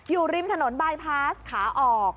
อยู่ริมถนนบายพาสขาออก